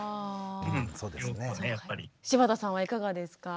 柴田さんはいかがですか？